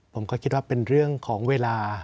ผมก็คิดว่าเป็นเรื่องของเวลา